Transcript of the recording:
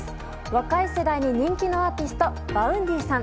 若い世代に人気のアーティストＶａｕｎｄｙさん。